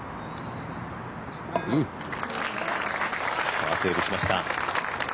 パーセーブしました。